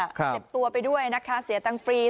เจ็บตัวไปด้วยนะคะเสียตังค์ฟรี